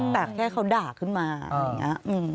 แต่แค่เขาด่าขึ้นมาอะไรอย่างนี้